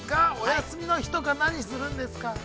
休みの日とか何するんですか。